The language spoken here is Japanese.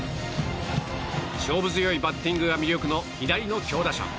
勝負強いバッティングが魅力の左の強打者。